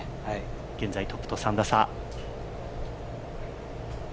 現在トップと３打差。